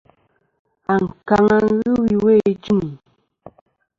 Ankaŋa wi iwo ijuŋi.